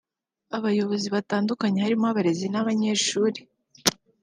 abayobozi batandukanye harimo abarezi n’abanyeshuri